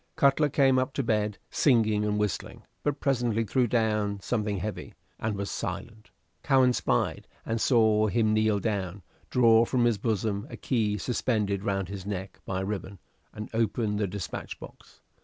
Cutler came up to bed, singing and whistling, but presently threw down something heavy, and was silent. Cowen spied, and saw him kneel down, draw from his bosom a key suspended round his neck by a ribbon, and open the despatch box.